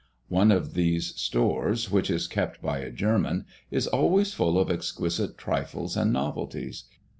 One of these stores, which is kept by a German, is always full of exquisite trifles and novelties.